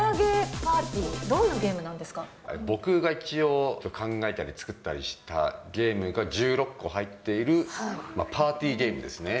ＰＡＲＴＹ、僕が一応、考えたり作ったりしたゲームが１６個入っているパーティーゲームですね。